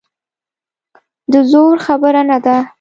د زور خبره نه ده.